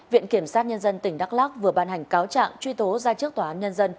viện kiểm sát nhân dân tỉnh đắk lắc vừa ban hành cáo trạng truy tố ra trước tòa án nhân dân